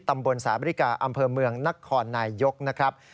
ตำบลสาบริกาอำเภอเมืองนครนายยกนะครับ